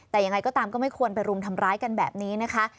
แต่ยังไงก็ตามก็ไม่ควรไปรุมทำร้ายกันแบบนี้นะคะ